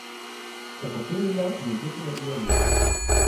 tenpo pini la mi lukin e ijo mute.